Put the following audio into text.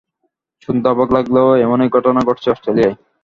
শুনতে অবাক লাগলেও এমনই ঘটনা ঘটছে অস্ট্রেলিয়ায়।